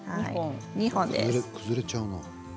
外れちゃうな。